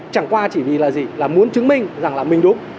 chẳng qua chỉ vì là gì là muốn chứng minh rằng là mình đúng